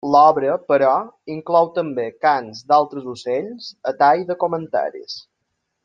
L'obra, però, inclou també cants d'altres ocells a tall de comentaris.